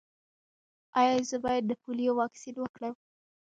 ایا زه باید د پولیو واکسین وکړم؟